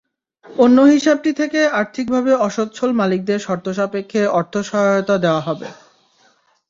অন্য হিসাবটি থেকে আর্থিকভাবে অসচ্ছল মালিকদের শর্ত সাপেক্ষে অর্থ সহায়তা দেওয়া হবে।